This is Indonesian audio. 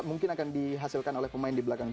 mungkin akan dihasilkan oleh pemain di belakang